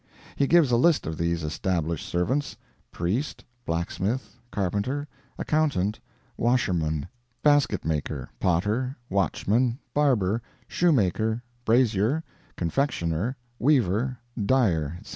He gives a list of these established servants: Priest, blacksmith, carpenter, accountant, washerman, basketmaker, potter, watchman, barber, shoemaker, brazier, confectioner, weaver, dyer, etc.